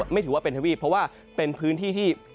ไม่ถือว่าเป็นทวีปเพราะว่าเป็นพื้นที่ที่